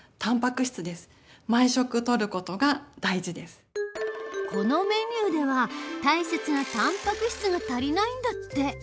しかしどうしてもこのメニューでは大切なたんぱく質が足りないんだって。